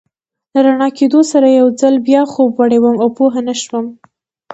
له رڼا کېدو سره یو ځل بیا خوب وړی وم او پوه نه شوم.